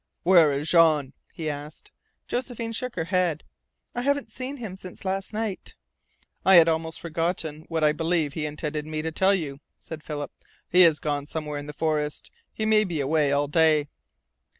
"Where is Jean?" he asked. Josephine shook her head. "I haven't seen him since last night." "I had almost forgotten what I believe he intended me to tell you," said Philip. "He has gone somewhere in the forest. He may be away all day."